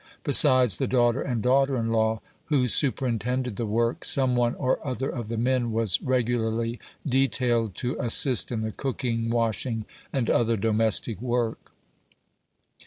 Besides the daughter and daughter in law, who su perintended the work, some one or other of the men was reg ularly detailed to assist in the cooking, washing, and other domestic work.